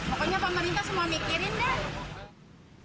pokoknya pemerintah semua mikirin dah